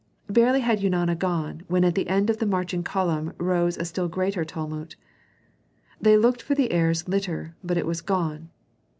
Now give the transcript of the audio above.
Barely had Eunana gone when at the end of the marching column rose a still greater tumult. They looked for the heir's litter, but it was gone.